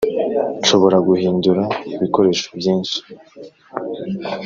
nshobora guhindura ibikoresho byinshi